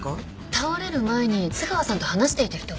倒れる前に津川さんと話していた人は？